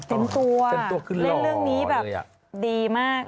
เต็มตัวเล่นเรื่องนี้แบบดีมาก